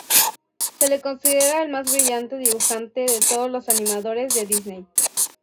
Se le considera el más brillante dibujante de todos los animadores de Disney.